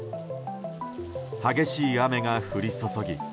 激しい雨が降り注ぎ。